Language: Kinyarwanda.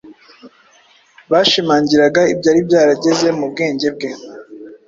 bashimangiraga ibyari byarageze mu bwenge bwe